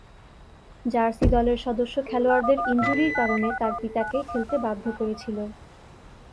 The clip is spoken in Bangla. জার্সি দলের সদস্য খেলোয়াড়দের ইনজুরির কারণে তার পিতাকে খেলতে বাধ্য করেছিল।